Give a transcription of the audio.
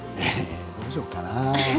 どうしようかな。